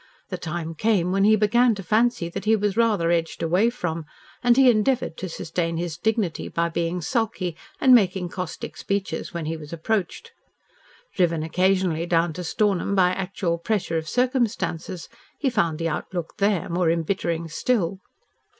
The time came when he began to fancy that he was rather edged away from, and he endeavoured to sustain his dignity by being sulky and making caustic speeches when he was approached. Driven occasionally down to Stornham by actual pressure of circumstances, he found the outlook there more embittering still.